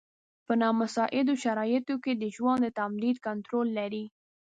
په نامساعدو شرایطو کې د ژوند د تمدید کنټرول لري.